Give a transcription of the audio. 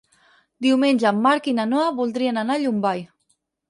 Diumenge en Marc i na Noa voldrien anar a Llombai.